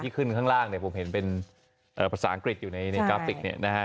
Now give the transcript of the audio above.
ที่ขึ้นข้างล่างผมเห็นเป็นภาษาอังกฤษอยู่ในกราฟฟิก